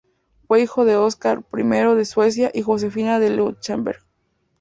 Fue hijo de Óscar I de Suecia y Josefina de Leuchtenberg.